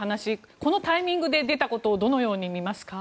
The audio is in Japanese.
このタイミングで出たことをどのように見ますか。